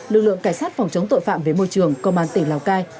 lực lượng cảnh sát phòng chống tội phạm về môi trường công an tỉnh lào cai